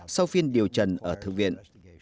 sau phiên điều trần ở thượng viện